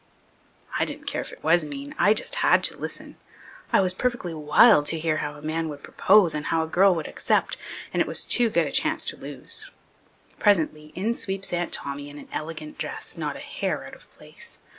I didn't care if it was mean. I just had to listen. I was perfectly wild to hear how a man would propose and how a girl would accept and it was too good a chance to lose. Presently in sweeps Aunt Tommy, in an elegant dress, not a hair out of place.